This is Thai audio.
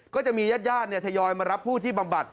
ก็จะมีญาติทยอยมารับผู้ที่บำบัด